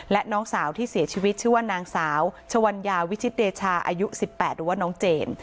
และน้องสาวที่เสียชีวิตชื่อว่านางสาวชวัญญาวิชิตเดชาอายุ๑๘หรือว่าน้องเจน